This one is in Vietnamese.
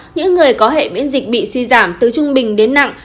những người có hệ miễn dịch bị suy giảm từ trung bình đến nặng